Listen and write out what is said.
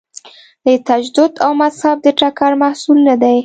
د تجدد او مذهب د ټکر محصول نه دی.